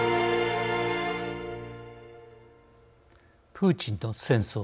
プーチンと戦争